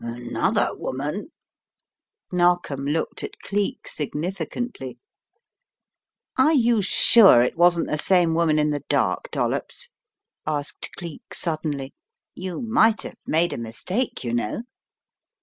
"Another woman!" Narkom looked at Cleek, significantly. "Are you sure it wasn't the same woman in the dark, Dollops?" asked Cleek, suddenly, "you might have made a mistake, you know."